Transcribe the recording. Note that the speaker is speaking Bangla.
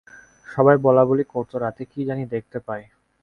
সবাই বলাবলি করত, রাতে কী জানি দেখতে পায়।